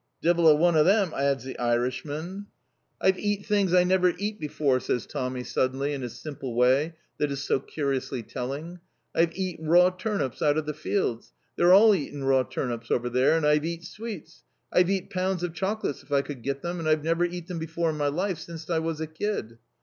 "Divil a one of them," adds the Irishman. "I've eat things I never eat before," says Tommy suddenly, in his simple way that is so curiously telling. "I've eat raw turnips out of the fields. They're all eatin' raw turnips over there. And I've eat sweets. I've eat pounds of chocolates if I could get them and I've never eat them before in my life sinst I was a kid."